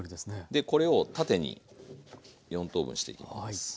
でこれを縦に４等分していきます。